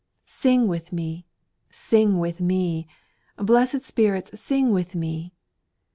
Sing with me I sing with me ! Blessed spirits, sing with me